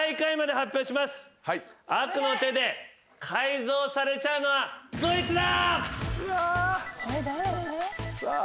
悪の手で改造されちゃうのはこいつだ！